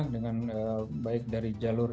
dengan baik dari jalur